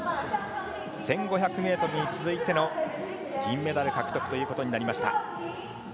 １５００ｍに続いての銀メダル獲得ということになりました。